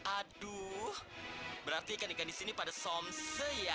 aduh berarti ikan ikan di sini pada somse ya